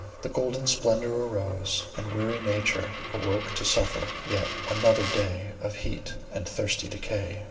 The golden splendour arose, and weary nature awoke to suffer yet another day of heat and thirsty decay.